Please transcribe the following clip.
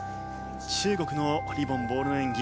中国のリボン・ボールの演技。